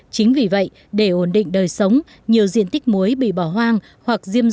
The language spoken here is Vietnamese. chính vì vậy để ổn định đời sống nhiều diện tích muối bị bỏ hoang hoặc diêm dân